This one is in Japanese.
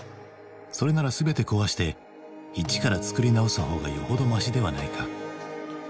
それなら全て壊して一から作り直すほうがよほどマシではないか。